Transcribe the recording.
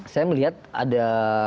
saya melihat ada